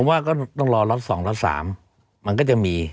ผมว่าก็ต้องรอรอสองรอสามมันก็จะมี